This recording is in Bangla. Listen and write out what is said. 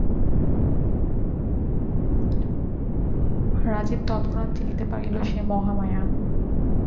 রাজীব তৎক্ষণাৎ চিনিতে পারিল, সে মহামায়া।